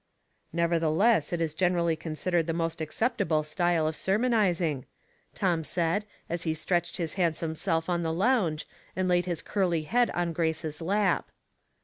" Nevertheless it is generally considered the most acceptable style of sermonizing," Tom said, as he stretched his handsome self on the lounge, and laid his curly head on Grace's lap.